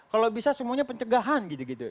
kalau bisa semuanya pencegahan gitu gitu